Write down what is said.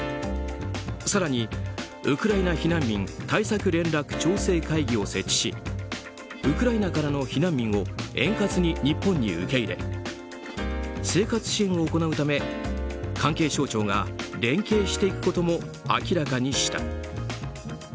更にウクライナ避難民対策連絡調整会議を設置しウクライナからの避難民を円滑に日本に受け入れ生活支援を行うため関係省庁が連携していくことも明らかにした。